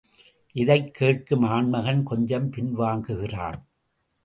இதைக் கேட்கும் ஆண்மகன் கொஞ்சம் பின்வாங்குகிறான்.